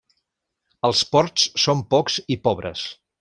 Els ports són pocs i pobres.